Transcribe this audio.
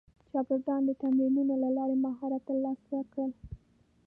شاګردان د تمرینونو له لارې مهارت ترلاسه کړل.